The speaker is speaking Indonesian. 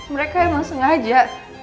mereka emang sengaja